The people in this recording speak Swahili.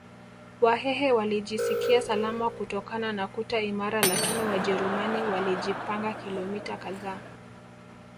Wahehe walijisikia salama kutokana na kuta imara lakini Wajerumani walijipanga kilomita kadhaa